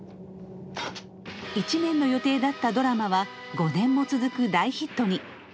１年の予定だったドラマは５年も続く大ヒットに。